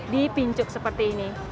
di pincuk seperti ini